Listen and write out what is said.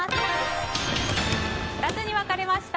２つに分かれました。